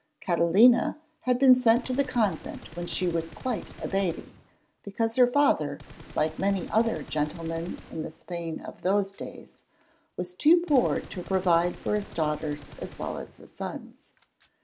Catalina had been sent to the convent when she was quite a baby, because her father, like many other gentlemen in the Spain of those days, was too poor to provide for his daughters as well as his sons.